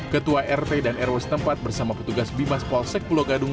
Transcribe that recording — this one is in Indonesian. ketua rt dan rw setempat bersama petugas bimas polsek pulau gadung